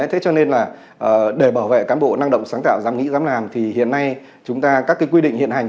thế cho nên là để bảo vệ cán bộ năng động sáng tạo dám nghĩ dám làm thì hiện nay chúng ta các cái quy định hiện hành